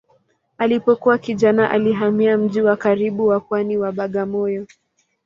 Alipokuwa kijana alihamia mji wa karibu wa pwani wa Bagamoyo.